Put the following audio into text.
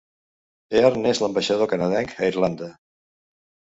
Hearn és l'exambaixador canadenc a Irlanda.